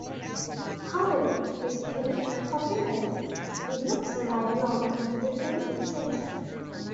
However, his fame and popularity did not survive long into the twentieth century.